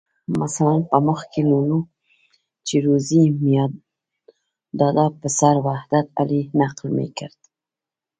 مثلاً په مخ کې لولو چې روزي میاداد پسر وحدت علي نقل میکرد.